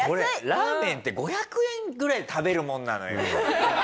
ラーメンって５００円ぐらいで食べるもんなのよ。